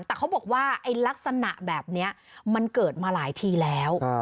แต่เขาบอกว่าไอ้ลักษณะแบบนี้มันเกิดมาหลายทีแล้ว